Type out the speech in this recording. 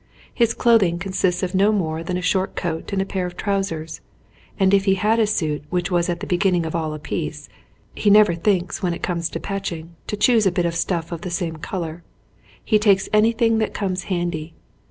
His clothing consists of no more than a short coat and a pair of trousers; and if he had a suit which was at the beginning all of a piece, he never thinks when it comes to patching to choose a bit of stuff of the same colour. He takes anything that comes handy.